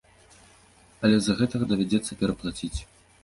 Але з-за гэтага давядзецца пераплаціць.